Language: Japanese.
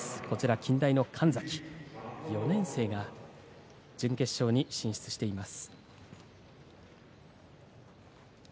近大の神崎、４年生が準決勝に進出しています。